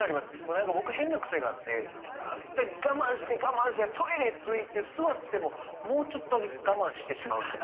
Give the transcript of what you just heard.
何か僕変な癖があってああって我慢して我慢してトイレ着いて座ってももうちょっとだけ我慢してしまうんですよ。